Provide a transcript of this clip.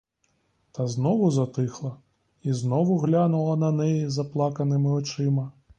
Та знову затихла і знову глянула на неї заплаканими очима.